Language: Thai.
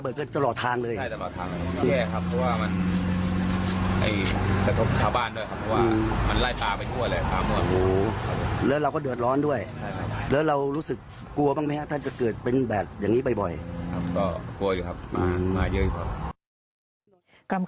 เยอะอยู่ครับมาวนแล้วเข้ามาตีวัยรุ่นในซอยนะครับ